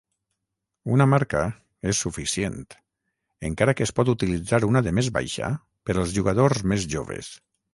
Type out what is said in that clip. Una marca és suficient, encara que es pot utilitzar una de més baixa per als jugadors més joves.